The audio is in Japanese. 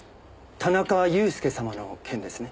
田中裕介様の件ですね？